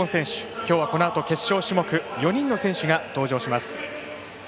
きょうはこのあと決勝種目４人の選手が登場します。